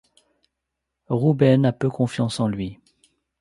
Ruben a peu confiance en lui.